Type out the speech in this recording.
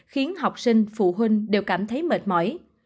khiến học sinh phụ huynh đều cảm thấy mệt mỏi